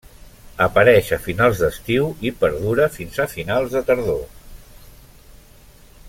Apareix a finals d'estiu i perdura fins a finals de tardor.